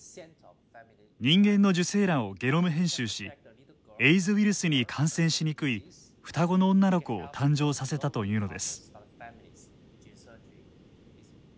人間の受精卵をゲノム編集しエイズウイルスに感染しにくい双子の女の子を誕生させたというのです。